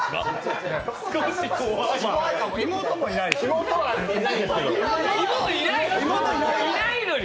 妹いないのに。